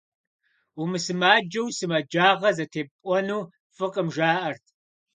Умысымаджэу сымаджагъэ зытепӏуэну фӏыкъым, жаӏэрт.